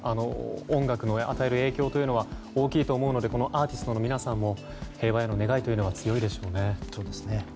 音楽の与える影響は大きいと思うのでこのアーティストの皆さんも平和への願いは強いでしょうね。